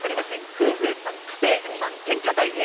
夫婦円満家庭円満天下太平！